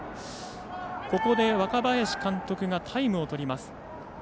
ここで若林監督がタイムをとります。